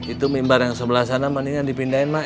itu mimbar yang sebelah sana mendingan dipindahin mak